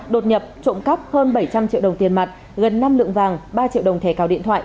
đột nhập trộm cắp hơn bảy trăm linh triệu đồng tiền mặt gần năm lượng vàng ba triệu đồng thẻ cào điện thoại